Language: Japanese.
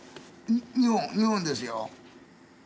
日本日本ですよ。